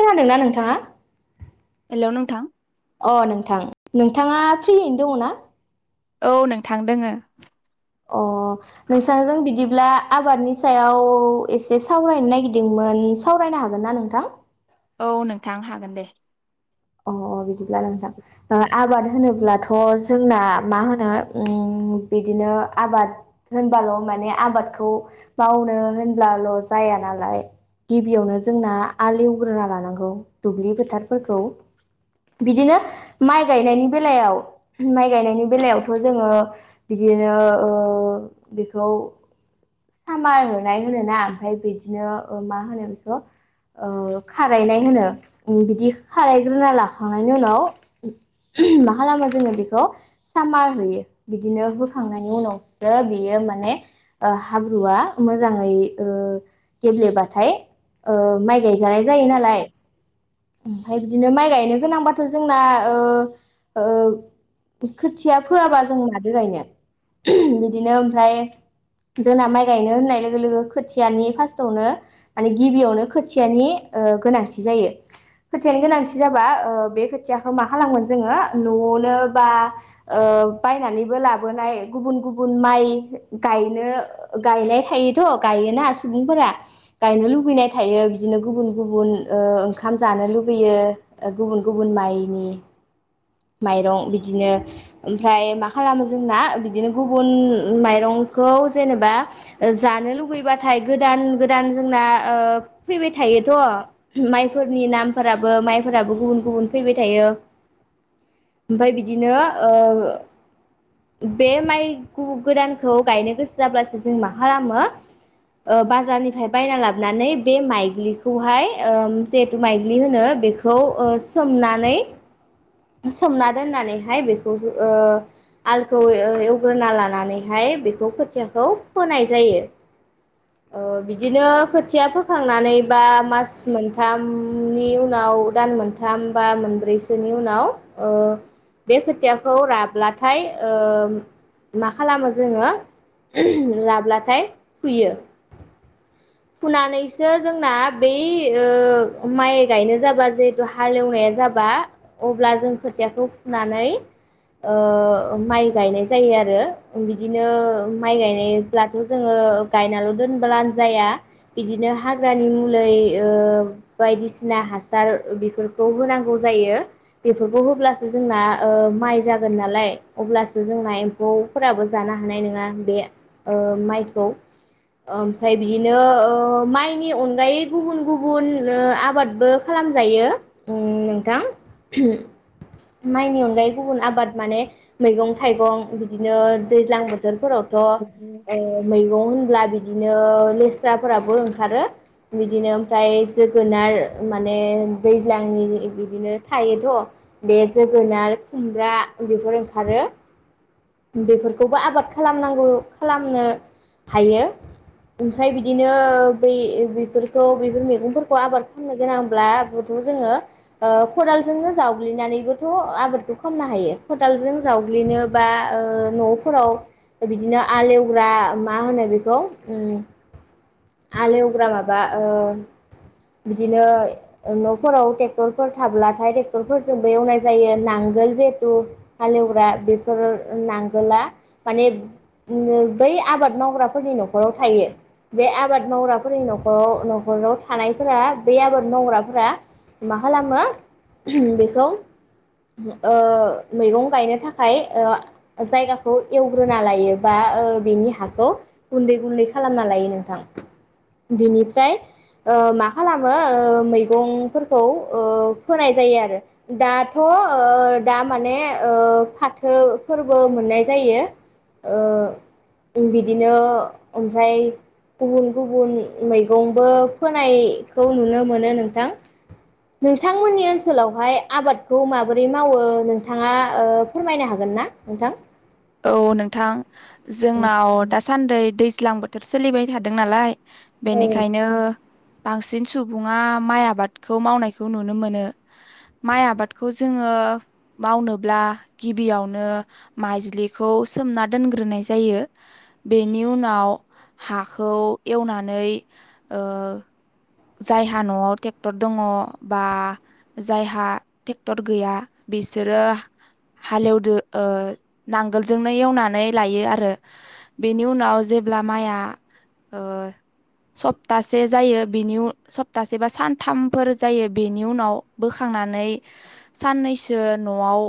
खोनादोंना नोंथाङा? हेल' नोंथां। अ नोंथां नोंथाङा फ्रियैनो दङ' ना? औ नोंथां दोङो। अ नोंसांजों बिदिब्ला आबादनि सायाव एसे सावरायनो नागिरदोंमोन, सावरायनो हागोन ना नोंथां? औ नोंथां हागोन दे। अ बिदिब्ला नोंथां दा आबाद होनोब्लाथ' जोंना मा होनो उम बिदिनो आबाद होनबाल' माने आबादखौ मावनो होनब्लाल' जाया नालाय गिबियावनो जोंना हाल एवग्रोना लानांगौ दुब्लि फोथारफोरखौ। बिदिनो माइ गायनायनि बेलायाव माइ गायनायनि बेलायावथ' जोङो बिदिनो ओ बेखौ सामार होनाय होनोना ओमफ्राय बिदिनो मा होनो बेखौ ओ खारायनाय होनो बिदि खाराइ ग्रोना लाखांनायनि उनाव मा खालामो जोङो बेखौ सामार होयो बिदिनो होखांनायनि उनावसो बेयो माने हाब्रुआ मोजाङै ओ गेब्लेबाथाय ओ माइ गायजानाय जायो नालाय ओमफाय बिदिनो माइ गायनो गोनांबाथ' जोंना ओ ओ खोथिया फोआबा जों मादो गायनो। बिदिनो ओमफ्राय जोंना माइ गायनो होननाय लोगो लोगो खोथियानि फार्स्आवनो माने गिबियावनो खोथियानि ओ गोनांथि जायो। खोथियानो गोनांथि जाबा ओ बे खोथियाखौ मा खालामगोन जोङो न'आवनो बा ओ बायनानैबो लाबोनाय गुबुन गुबुन माइ गायनो गायनाय थायोथ' गायोना सुबुंफोरा गायनो लुबैनाय थायो बिदिनो गुबुन गुबुन ओ ओंखाम जानो लुबै होयो गुबुन-गुबुन माइनि माइरं बिदिनो ओमफ्राय मा खालामो जोंना बिदिनो गुबुन माइरंखौ जेनेबा जानो लुगैबाथाय गोदान गोदान जोंना ओ फैबाय थायोथ' माइफोरनि नाम फोराबो माइफोराबो गुबुन गुबुन फैबाय थायो ओमफाय बिदिनो ओ बे माइ गोदानखौ गायनो गोसो जाब्लासो जों मा खालामो ओ बाजारनिफ्राय बायना लाबोनानै बे माइज्लिखौहाय ओ जिहेथु माइ ज्लि होनो बेखौ सोमनानै सोमना दोननानैहाय बेखौ ओ हालखौ ओ एवग्रोना लानानैहाय खोथियाखौ फोनाय जायो। ओ बिदिनो खोथिया फोखांनानै बा मास मोनथाम नि उनाव दान मोनथाम बा मोनब्रैसोनि उनाव ओ बे खोथियाखौ राब्लाथाय मा खालामो जोङो राब्लाथाय फुयो। फुनानैसो जोंना बै ओ माइ गायनो जाबा जिहेथु हालेवनाया जाबा अब्ला जों खोथियाखौ फुनानै ओ माइ गायनाय जायो आरो, बिदिनो माइ गायनायब्लाथ' जोङो गायनाल' दोनब्लानो जाया बिदिनो हाग्रानि मुलै ओ बायदिसिना हासार बेफोरखौ होनांगौ जायो बेफोरखौ होब्लासो जोंना ओ माइ जागोन नालाय अब्लासो जोंना एम्फौफोराबो जानो हानाय नङा बे ओ माइखौ ओमफ्राय बिदिनो ओ माइनि अनगायै गुबुन गुबुन नो आबादबो खालामजायो उ नोंथां। माइनि अनगायै गुबुन आबाद माने मैगं थाइगं बिदिनो दैज्लां बो बोथोरफोरावथ ओ मैगं होनब्ला बि दिनो लेस्राफोराबो ओंखारो बिदिनो ओमफ्राय जोगोनार माने दैज्लांनि इ बिदिनो थायोथ बे जोगोनार खुमब्रा बेफोर ओंखारो। बेफोरखौबो आबाद खालामनांगौ खालामनो हायो ओमफ्राय बिदिनो बै बेफोरखौ बेफोर मैगंफोरखौ आबाद खालामनो गोनांब्लाबोथ जोङो खदालजोंनो जावग्लिनानैबोथ आबादखौ खालामनो हायो। खदालजों जावग्लिनो बा ओ नफोराव बिदिनो आलेवग्रा मा होनो बेखौ आलेवग्रा माबा ओ बिदिनो नफोराव ट्रेक्टरफोर थाब्लाथाय ट्रेक्टरफोरजोंबो एवनाय जायो नांगोल जिहेथु हालेवग्रा बेफोर नांगोला माने बै आबाद मावग्राफोरनि नखराव थायो बे आबाद मावग्राफोरनि नखराव नखराव थानायफोरा बे आबाद मावग्राफोरा मा खालामो बेखौ ओ मैगं गायनो थाखाय ओ जायगाखौ एवग्रोना लायो बा ओ बिनि हाखौ गुन्दै गुन्दै खालामना लायो नोंथां बेनिफ्राय ओ मा खालामो मैगंफोरखौ ओ फोनाय जायो आरो दाथ' ओ दा माने ओ फाथो फोरबो मोननाय जायो ओ बिदिनो ओमफ्राय गुबुन गुबुन मैगंबो फोनायखौ नुनो मोनो नोंथां नोंथांमोननि ओनसोलावहाय आबादखौ माबोरै मावो नोंथाङा ओ फोरमायनो हागोन ना? नोंथां? औ नोंथां। जोंनाव दा सान्दै दैज्लां बोथोर सोलिबाय थादों नालाय औ बेनिखायनो, बांसिन सुबुङा माइ आबादखौ मावनायखौ नुनो मोनो माइ आबादखौ जोङो मावनोब्ला गिबियावनो माइज्लि खौ सोमना दोनग्रोनाय जायो बेनि उनाव हाखौ एवनानै ओ जायहा नआव ट्रेक्टर दङ बा जायहा ट्रेक्टर गैया बिसोरो हालेवदो ओ नांगोलजोंनो एवनानै लायो आरो बेनि उनाव जेब्ला माइआ ओ सप्तासे जायो बेनि उ सप्तासे बा सानथामफोर जायो बेनि उनाव बोखांनानै साननैसो नआव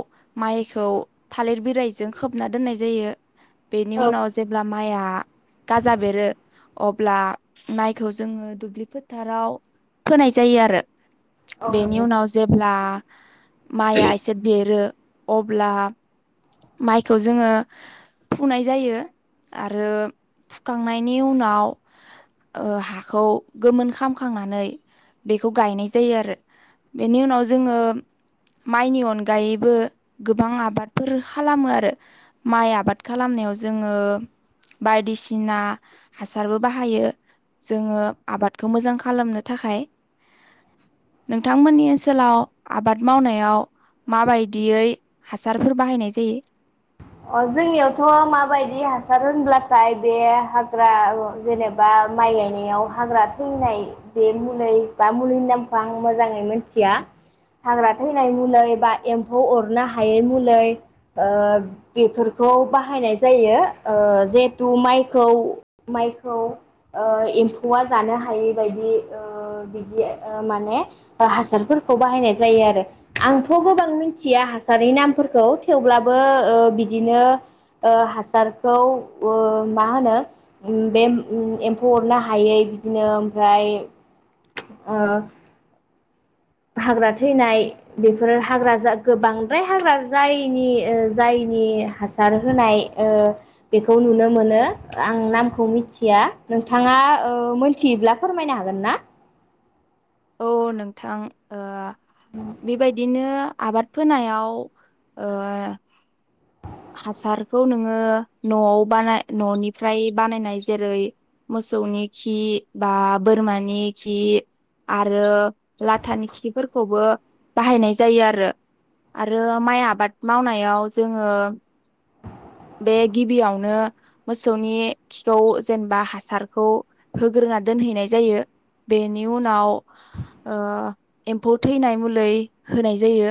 माइखौ थालिर बिलाइजों खोबना दोननाय जायो। बेनि उनाव जेब्ला माइया गाजा बेरो अ ब्ला मायखौ जोङो दुब्लि फोथाराव फोनाय जायो आरो। बेनि औ उनाव जेब्ला औ माइया एसे देरो अब्ला माइखौ जोङो फुनाय जायो आरो फुखांनायनि उनाव ओ हाखौ गोमोन खामखांनानै बेखौ गायनाय जायो आरो बेनि उनाव जोङो माइनि अनगायैबो गोबां आबादफोर खालामो आरो माइ आबाद खालामनायाव जोङो बायदिसिना हासारबो बाहायो जोङो आबादखौ मोजां खालामनो थाखाय नोंथांमोननि ओनसोलाव आबाद मावनायाव माबायदियै हासारफोर बाहायनाय जायो? अ जोंनियावथ माबायदि हास सार होनब्लाथाय बे हाग्रा जेनेबा माइ गायनायाव हाग्रा थैनाय बे मुलै बा मुलिनि नामखौ आं मोजाङै मिथिया हाग्रा थैनाय मुलै बा एम्फौ अरनो हायै मुलै ओ बेफोरखौ बाहायनाय जायो ओ जिहेथु माइखौ माइखौ ओ एम्फौआ जानो हायै बाइदि ओ बिदि माने हासारफोरखौ बाहायनाय जायो आरो आंथ गोबां मिथिया हासारनि नामफोरखौ थेवब्लाबो ओ बि बिनो ओ हासारखौ ओ मा होनो बे एम्फौ अरनो हायै बिदिनो ओमफ्राय ओ हाग्रा थैनाय बेफोरो हाग्रा जा गोबांद्राय हाग्रा जायिनि जायनि हासार होनाय ओ बेखौ नुनो मोनो आं नामखौ मिथिया नोंथाङा ओ मोनथियोब्ला फोरमायनो हागोन ना? औ नोंथां। ओ बेबायदिनो आबाद फोनायाव ओ हासारखौ नोङो नआव बानाय ननिफ्राय बानायनाय जेरै मोसौनि खि बा बोरमानि खि आरो लाथानि खिफोरखौबो बाहायनाय जायो आरो आरो माइ आबाद मावनायाव जोङो बे गिबियावनो मोसौनि खिखौ जेनेबा हासारखौ होग्रोना दोनहैनाय जायो बेनि उनाव ओ एम्फौ थैनाय मुलै होनाय जायो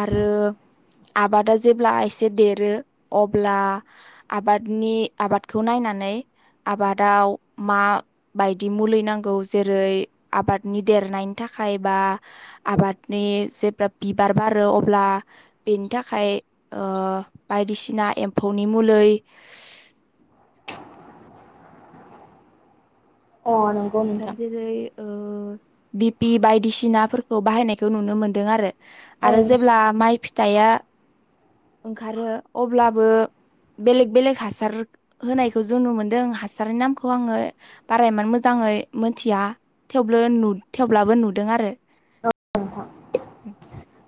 आरो आबादा जेब्ला एसे देरो अब्ला आबादनि आबादखौ नायनानै आबादाव माबायदि मुलि नांगौ जेरै आबादनि देरनायनि थाखाय बा आबादनि जेब्ला बिबार बारो अब्ला बेनि थाखाय ओ बायदिसिना एम्फौनि मुलै अ नंगौ हासार नोंथां जेरै ओ दिपि बायदिसिनाफोरखौ बाहायनायखौ नुनो मोनदों आरो औ आरो जेब्ला माइ फिथाइया ओंखारो अब्लाबो बेलेग बेलेग हासार होनायखौ जों नुमोनदों हासारनि नामखौ आंङो बारा एमान मोज मोजांङै मिथिया थेवबो थेवब्लाबो नुदों आरो नोंथां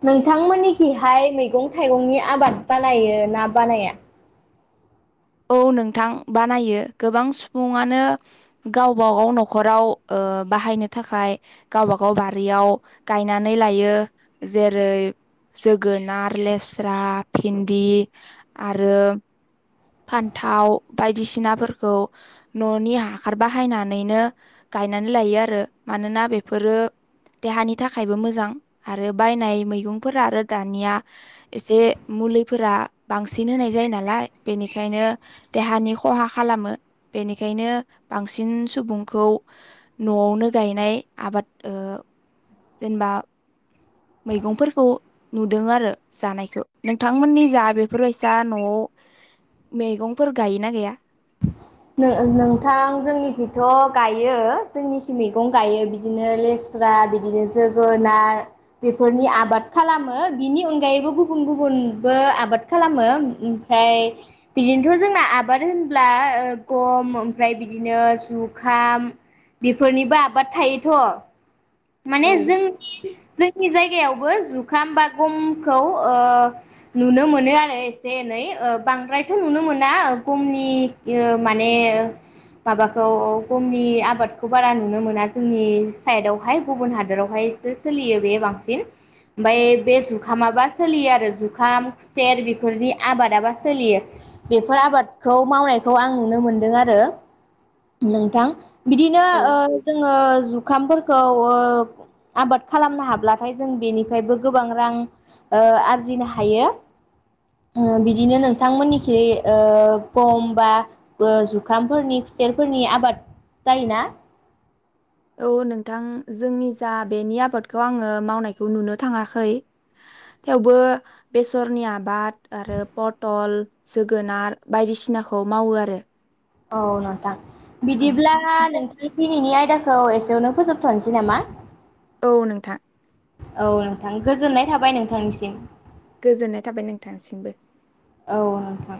नोंथांमोननिथिंहाय मैगं थाइगंनि आबाद बानायो ना बानाया औ नोंथां बानायो गोबां सुबुंङानो गावबागाव न'खराव ओ बाहायनो थाखाय गावबा गाव बारियाव गायनानै लायो जेरै जोगोनार लेस्रा भिन्दि आरो फान्थाव बायदिसिनाफोरखौ न'नि हाखार बाहायनानैनो गायनानै लायो आरो मानोना बेफोरो देहानि थाखायबो मोजां आरो बायनाय मैगंफोरा आरो दानिया एसे मुलिफोरा बांसिन होनाय जायो नालाय बेनिखायनो देहानि खहा खालामो बेनिखायनो बांसिन सुबुंखौ न'आवनो गायनाय आबाद ओ जेनबा मैगंफोरखौ नुदों आरो जानायखौ नोंथांमोननि जा बेफोरबायसा न'आव मैगंफोर गायोना गाया नोंनोंथां जोंनिथिथ' गायो जोंनिथि मैगं गायो बिदिनो लेस्रा बिदिनो जोगोनार बेफोरनि आबाद खालामो बिनि अनगायैबो गुबुन गुबुनबो आबाद खालामो ओमफ्राय बिदिनोथ' जोंना आबाद होनब्ला गम ओमफ्राय बिदिनो जुखाम बेफोरनिबो आबाद थायोथ' माने औ जोंनि जोंनि जायगा जायगायावबो जुखाम बा गमखौ ओ नुनो मोनो आरो एसे एनै ओ बांद्रायथ' नुनो मोना गमनि ओ माने माबाखौ गमनि आबादखौ बारा नुनो मोना जोंनि साइडआवहाय गुबुन हादोरावहायसो सोलियो बे बांसिन ओमफाय बे जुखामाबा सोलियो आरो जुखाम खुसेर बेफोरनि आबादाबा सोलियो बेफोर आबादखौ मावनायखौ आं नुनो मोनदों आरो नोंथां बिदिनो औ ओ जोंङो जु जुखामफोरखौ ओ आबाद खालामनो हाब्लाथाय जों बेनिफ्रायबो गोबां रां ओ आरजिनो हायो ओ बिदिनो नोंथांमोननिखि ओ गम बा ओ जुखामफोरनि फि खुसेरफोरनि आबाद जायोना औ नोंथां जोंनि जा बेनि आबादखौ आंङो मावनायखौ नुनो थांङाखै थेवबो बेसरनि आबाद आरो पतल जोगोनार बायदिसिनाखौ मावो आरो औ नोंथां औ बिदिब्ला नोंथां दिनैनि आयद यदाखौ एसेयावनो फोजोबथ'नोसै नामा औ नोंथां औ नोंथां गोजोननाय थाबाय नोंथांनिसिम गोजोननाय थाबाय नोंथांसिमबो औ नोंथां